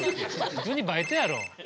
普通にバイトやろ。